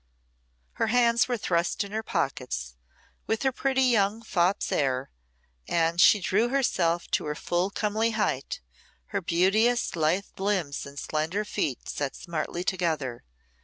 Her hands were thrust in her pockets with her pretty young fop's air, and she drew herself to her full comely height, her beauteous lithe limbs and slender feet set smartly together.